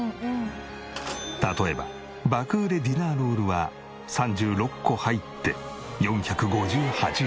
例えば爆売れディナーロールは３６個入って４５８円。